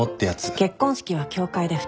結婚式は教会で２人だけで。